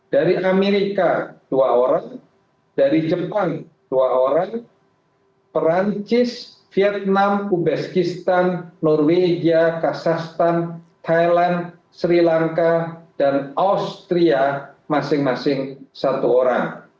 dari amerika dua orang dari jepang dua orang perancis vietnam ubezkistan norwegia kasastan thailand sri lanka dan austria masing masing satu orang